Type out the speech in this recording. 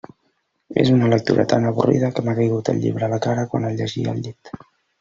És una lectura tan avorrida que m'ha caigut el llibre a la cara quan el llegia al llit.